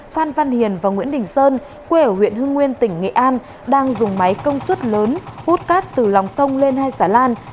phan văn hiền và nguyễn đình sơn quê ở huyện hưng nguyên tỉnh nghệ an đang dùng máy công suất lớn hút cát từ lòng sông lên hai xà lan